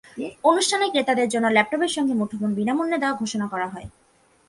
অনুষ্ঠানে ক্রেতাদের জন্য ল্যাপটপের সঙ্গে মুঠোফোন বিনামূল্যে দেওয়ার ঘোষণা দেওয়া হয়।